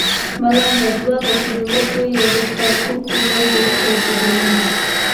ملنګه دوه ګټې دې وکړې يو دې خير ټول کړو بل دې وکړل ديدنونه